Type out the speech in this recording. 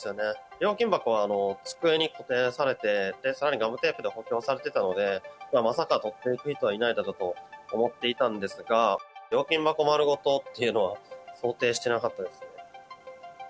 料金箱は机に固定されて、さらにガムテープで補強されてたので、まさかとっていく人はいないだろうと思っていたんですが、料金箱丸ごとっていうのは想定してなかったですね。